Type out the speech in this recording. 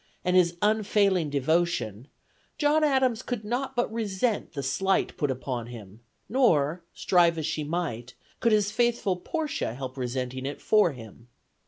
and his unfailing devotion, John Adams could not but resent the slight put upon him; nor, strive as she might, could his faithful Portia help resenting it for him.